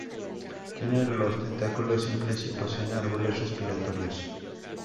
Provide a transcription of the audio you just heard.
Tienen los tentáculos simples y poseen árboles respiratorios.